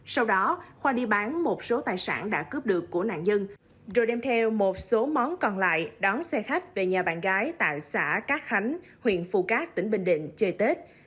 sau đó khoa đi bán một số tài sản đã cướp được của nạn nhân rồi đem theo một số món còn lại đón xe khách về nhà bạn gái tại xã cát khánh huyện phù cát tỉnh bình định chơi tết